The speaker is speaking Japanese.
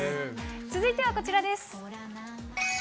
続いてはこちらです。